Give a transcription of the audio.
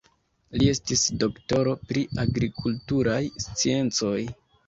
Li estis doktoro pri agrikulturaj sciencoj.